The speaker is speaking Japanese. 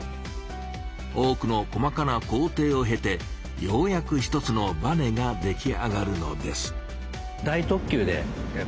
多くの細かな工程をへてようやく一つのバネが出来上がるのです。